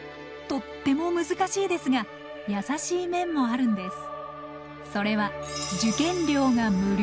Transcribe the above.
とっても難しいですが優しい面もあるんです。